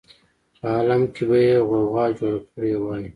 په عالم کې به یې غوغا جوړه کړې وای.